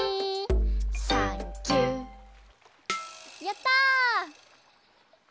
やった！